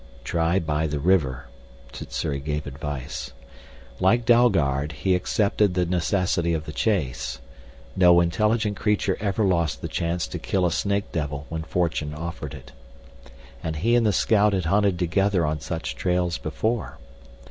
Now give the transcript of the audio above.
"Try by the river," Sssuri gave advice. Like Dalgard, he accepted the necessity of the chase. No intelligent creature ever lost the chance to kill a snake devil when fortune offered it. And he and the scout had hunted together on such trails before.